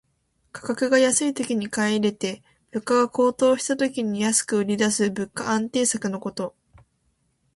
価格が安いときに買い入れて、物価が高騰した時に安く売りだす物価安定策のこと。